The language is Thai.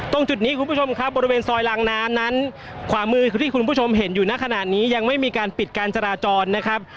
ตรงจุดนี้คุณผู้ชมครับบริเวณซอยลางน้ำนั้นขวามือที่คุณผู้ชมเห็นอยู่ในขณะนี้ยังไม่มีการปิดการจราจรนะครับ